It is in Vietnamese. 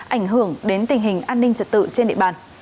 ảnh hưởng đến tình hình an ninh trật tự trên địa bàn